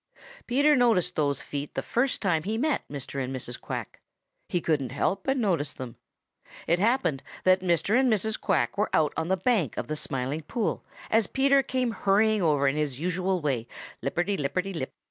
Peter noticed those feet the first time he met Mr. and Mrs. Quack. He couldn't help but notice them. It happened that Mr. and Mrs. Quack were out on the bank of the Smiling Pool as Peter came hurrying over in his usual way, lipperty lipperty lip.